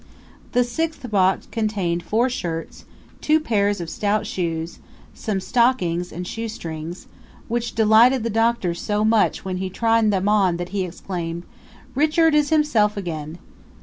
The sixth box contained four shirts, two pairs of stout shoes, some stockings and shoe strings, which delighted the Doctor so much when he tried them on that he exclaimed, "Richard is himself again!"